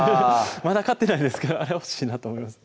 まだ買ってないですけどあれ欲しいなと思います